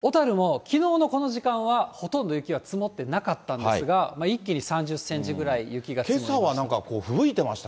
小樽も、きのうのこの時間は、ほとんど雪は積もってなかったんですが、一気に３０センチぐらい雪が積もりました。